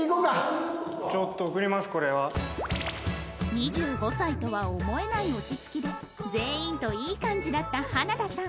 ２５歳とは思えない落ち着きで全員といい感じだった花田さん